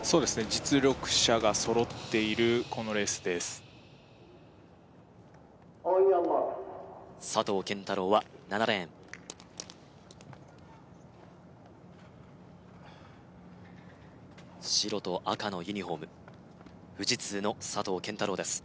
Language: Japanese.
実力者が揃っているこのレースですＯｎＹｏｕｒＭａｒｋｓ佐藤拳太郎は７レーン白と赤のユニホーム富士通の佐藤拳太郎です